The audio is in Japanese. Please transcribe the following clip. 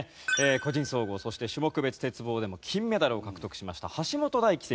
個人総合そして種目別鉄棒でも金メダルを獲得しました橋本大輝選手のスクープです。